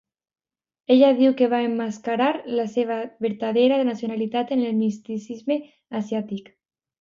Ella diu que va emmascarar la seva vertadera nacionalitat en el misticisme asiàtic.